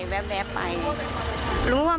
มันเป็นแบบที่สุดท้าย